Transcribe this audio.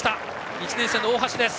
１年生の大橋です。